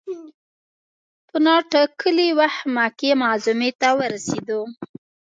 په نا ټا کلي وخت مکې معظمې ته ورسېدو.